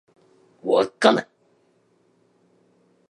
稚内